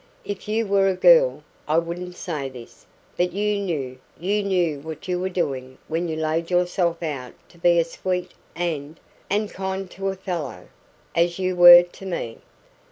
If you were a girl, I wouldn't say this; but you knew you knew what you were doing when you laid yourself out to be sweet and and kind to a fellow, as you were to me.